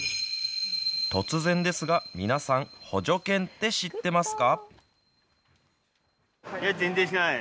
突然ですが、皆さん、補助犬って知ってますか？